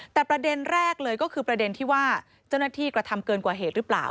แต่ประเด็นแรกเลยก็คือประเด็นที่ว่าเจ้าหน้าที่กระทำเกินกว่าเหตุหรือเปล่า